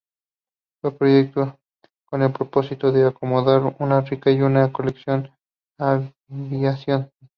Fue proyectado con el propósito de acomodar una rica y única colección de aviación.